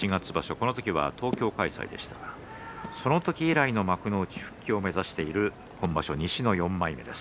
この時は東京開催でしたがその時以来の幕内復帰を目指している今場所、西の４枚目です。